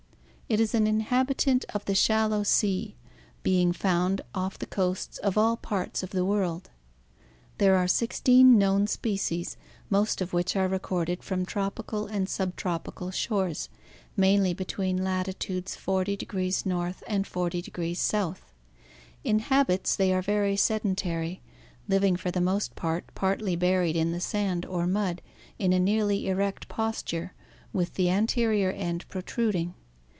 It is an inhabitant of the shallow sea (see page 71), being found off the coasts of all parts of the world. There are sixteen known species, most of which are recorded from tropical and sub tropical shores, mainly between latitudes 400 N. and 400 S. In habits they are very sedentary, living for the most part partly buried in the sand or mud in a nearly erect posture, with the anterior end protruding.